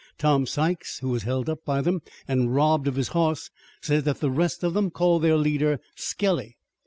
Tom Sykes, who was held up by them an' robbed of his hoss, says that the rest of 'em called their leader Skelly.